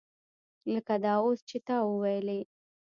لکه دا اوس چې تا وویلې.